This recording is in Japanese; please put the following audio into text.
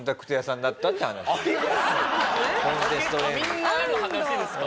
みんなある話ですか？